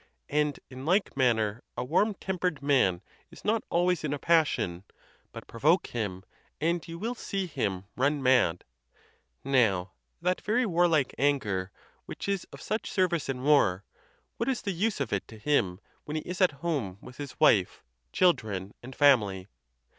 And in like manner, a warm tempered man is 150. THE TUSCULAN DISPUTATIONS. not always in a passion; but provoke him, and you will see him run mad. Now, that very warlike anger, which is of such service in war, what is the use of it to him when he is at home with his wife, children, and family